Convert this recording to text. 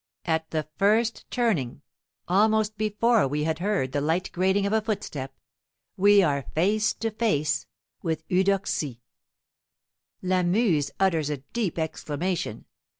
At the first turning, almost before we had heard the light grating of a footstep, we are face to face with Eudoxie! Lamuse utters a deep exclamation.